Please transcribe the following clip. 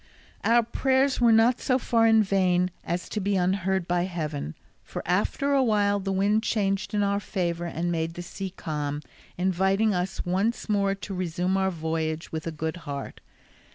Our prayers were not so far in vain as to be unheard by Heaven, for after a while the wind changed in our favour, and made the sea calm, inviting us once more to resume our voyage with a good heart.